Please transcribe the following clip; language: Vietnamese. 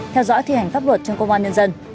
theo dõi thi hành pháp luật trong công an nhân dân